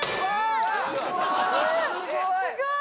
すごーい！